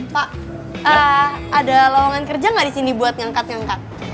pak ada lowongan kerja nggak di sini buat ngangkat ngangkat